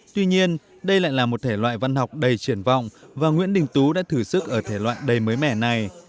tuy nhiên đây lại là một thể loại văn học đầy triển vọng và nguyễn đình tú đã thử sức ở thể loại đầy mới mẻ này